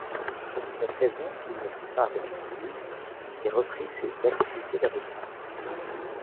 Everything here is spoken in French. Pour cette raison, il ne fut pas renommé juge et reprit ses activités d'avocat.